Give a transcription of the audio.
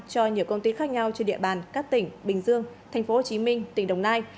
cho nhiều công ty khác nhau trên địa bàn các tỉnh bình dương thành phố hồ chí minh tỉnh đồng nai